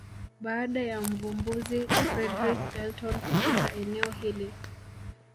Baada ya Mvumbuzi Fredrick Elton kupita eneo hili